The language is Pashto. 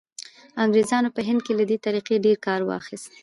انګریزانو په هند کې له دې طریقې ډېر کار واخیست.